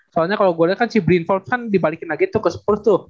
soalnya kalo gue liat kan si brie involved kan dibalikin lagi tuh ke spurs tuh